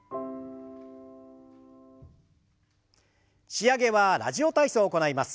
仕上げは「ラジオ体操」を行います。